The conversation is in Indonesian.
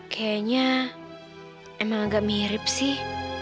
kayaknya emang agak mirip sih